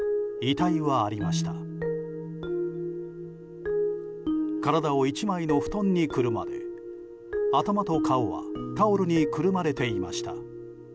体を１枚の布団にくるまれ頭と顔はタオルにくるまれていました。